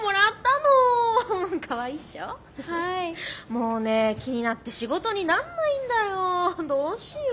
もうね気になって仕事になんないんだよどうしよ。